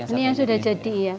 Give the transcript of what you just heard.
ini yang sudah jadi ya